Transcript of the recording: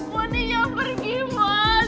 mon di jangan pergi mon